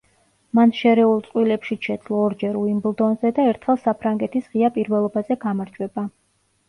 მან შერეულ წყვილებშიც შეძლო ორჯერ უიმბლდონზე და ერთხელ საფრანგეთის ღია პირველობაზე გამარჯვება.